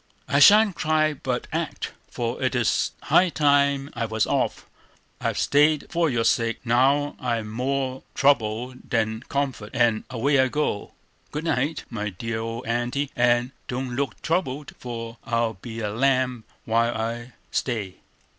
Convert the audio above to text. "I shan't cry but act; for it is high time I was off. I've stayed for your sake; now I'm more trouble than comfort, and away I go. Good night, my dear old Aunty, and don't look troubled, for I'll be a lamb while I stay."